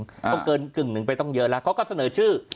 ต้องเกินกึ่งหนึ่งไปต้องเยอะแล้วเขาก็เสนอชื่อ